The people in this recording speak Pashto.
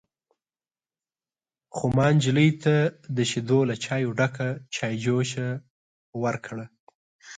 _خو ما نجلۍ ته د شيدو له چايو ډکه چايجوشه ورکړه.